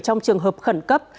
trong trường hợp khẩn cấp